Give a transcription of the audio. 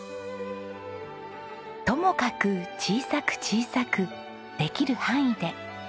「ともかく小さく小さくできる範囲で」